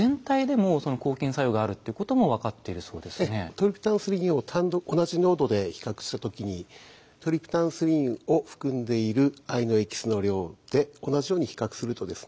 トリプタンスリンを同じ濃度で比較した時にトリプタンスリンを含んでいる藍のエキスの量で同じように比較するとですね